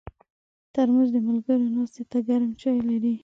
ترموز د ملګرو ناستې ته ګرم چای لري.